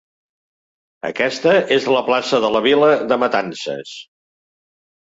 Aquesta és la plaça de la vila de Matances.